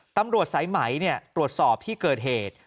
ตำรวจสายไหมตรวจสอบที่เกิดเหตุ